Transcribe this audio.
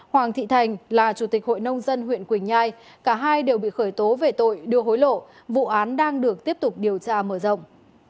hoàng thị thành là chủ tịch hội nông dân huyện quỳnh nhai cả hai đều bị khởi tố về tội đưa hối lộ vụ án đang được tiếp tục điều tra mở rộng